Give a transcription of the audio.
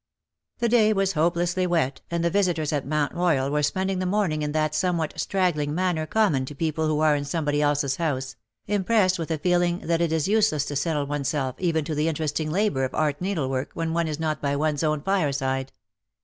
The day was hopelessly wet, and the visitors at Mount Eoyal were spending the morning in that somewhat straggling manner common to people who are in somebody else's house — impressed with a " TIME TURNS THE OLD DAYS TO DERISION. loi feeling that it is useless to settle oneself even to the interesting labour of art needlework when one is not by one's own fireside.